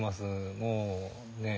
もうねえ。